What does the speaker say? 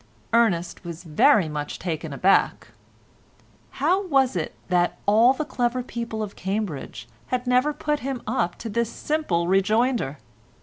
Ernest was very much taken aback. How was it that all the clever people of Cambridge had never put him up to this simple rejoinder?